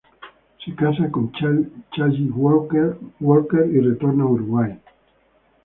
Se casa con Challis Walker y retorna a Uruguay.